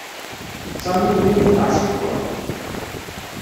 Sami yella yefqeɛ ciṭuḥ.